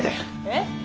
えっ？